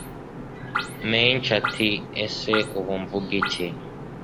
menshi ati ese ubu mvugiki